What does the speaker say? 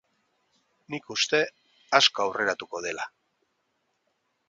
Nik uste, asko aurreratu dela.